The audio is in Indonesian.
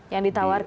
yang ditawarkan oleh